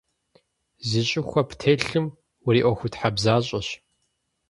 Зи щIыхуэ птелъым уриIуэхутхьэбзащIэщ.